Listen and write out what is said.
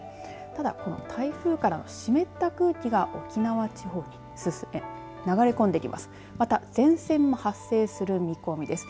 ただ、台風から湿った空気が沖縄地方に進んで流れ込んできます。